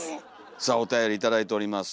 さあおたより頂いております。